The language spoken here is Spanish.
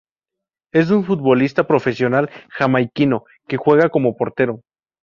Es un futbolista profesional jamaicano, que juega como portero.